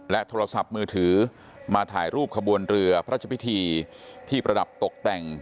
โทรศัพท์มือถือมาถ่ายรูปขบวนเรือพระราชพิธีที่ประดับตกแต่ง